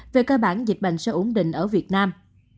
về cơ bản dịch bệnh sẽ ổn định ở việt nam